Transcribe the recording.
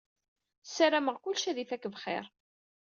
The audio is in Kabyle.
Ssarameɣ kullec ad ifak bxir.